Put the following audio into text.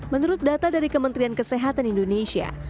menurut data dari kementerian kesehatan indonesia